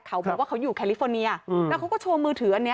เขาบอกว่าเขาอยู่แคลิฟอร์เนียแล้วเขาก็โชว์มือถืออันนี้